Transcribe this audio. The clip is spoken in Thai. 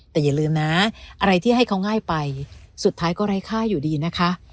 แต่อย่าลืมนะอะไรที่ให้เขาง่ายไปสุดท้ายก็ไร้ค่าอยู่ดีนะคะ